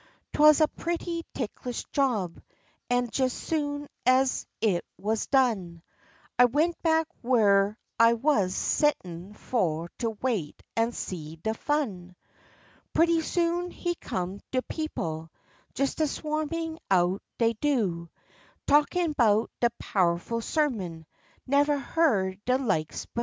'Twuz a pretty ticklish job, an' jes ez soon ez it wuz done, I went back w'ere I wuz set'n fu' to wait an' see de fun. Purty soon heah come de people, jes a swa'min' out de do', Talkin' 'bout de "pow'ful sermon" "nevah heah'd de likes befo'."